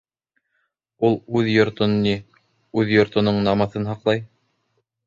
Ул үҙ йортон, ни, үҙ йортоноң намыҫын һаҡлай.